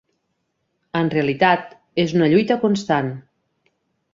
En realitat, és una lluita constant.